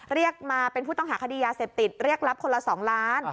เรียกมาเป็นผู้ต้องหาคดียาเสพติดเรียกรับคนละ๒ล้าน